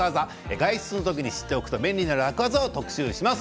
外出する時に知っておくと便利な楽ワザを特集します。